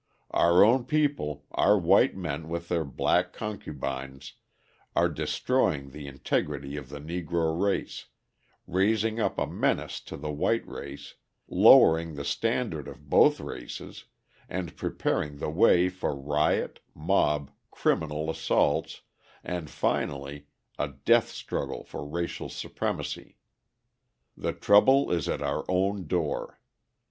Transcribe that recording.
Our own people, our white men with their black concubines, are destroying the integrity of the Negro race, raising up a menace to the white race, lowering the standard of both races and preparing the way for riot, mob, criminal assaults, and, finally, a death struggle for racial supremacy. The trouble is at our own door.